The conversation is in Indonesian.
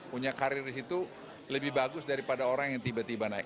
punya karir di situ lebih bagus daripada orang yang tiba tiba naik